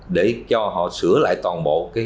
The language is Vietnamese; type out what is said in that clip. để cho họ sửa lại toàn bộ